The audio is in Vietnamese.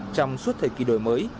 trong suốt thời kỳ đổi mới